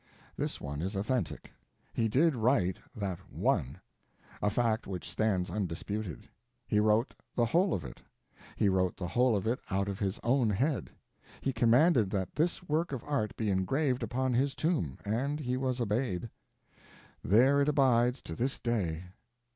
This one is authentic. He did write that one—a fact which stands undisputed; he wrote the whole of it; he wrote the whole of it out of his own head. He commanded that this work of art be engraved upon his tomb, and he was obeyed. There it abides to this day.